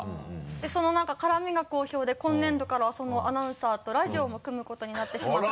そのなんか絡みが好評で今年度からはそのアナウンサーとラジオも組むことになってしまって。